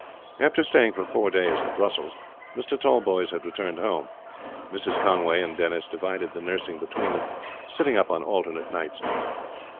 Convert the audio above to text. After staying for four days at Brussels, Mr. Tallboys had returned home. Mrs. Conway and Denis divided the nursing between them, sitting up on alternate nights.